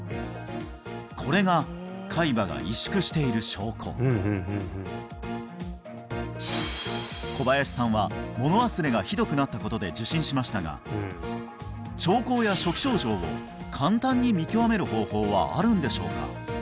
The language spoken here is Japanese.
これが海馬が萎縮している証拠小林さんは物忘れがひどくなったことで受診しましたが兆候や初期症状を簡単に見極める方法はあるんでしょうか？